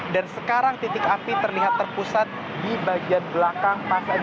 dan sekarang titik api terlihat terpusat di bagian belakang pasar d